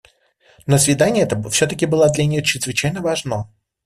Но свидание это всё-таки было для нее чрезвычайно важно.